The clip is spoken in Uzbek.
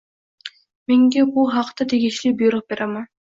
Men bu haqda tegishli buyruq beraman.